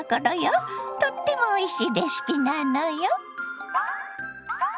とってもおいしいレシピなのよ。